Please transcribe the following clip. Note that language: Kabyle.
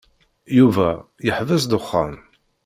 Yuba yeḥbes ddexxan.